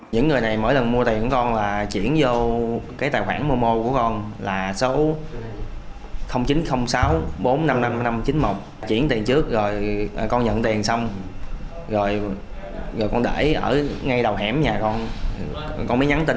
những người này mỗi lần mua tiền của con là chuyển vô cái tài khoản mô mô của con là số chín không sáu bốn năm năm năm chín một chuyển tiền trước rồi con nhận tiền xong rồi con để ở ngay đầu hẻm nhà con